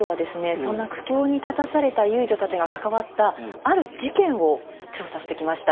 そんな苦境に立たされた遊女たちが関わったある事件を調査してきました。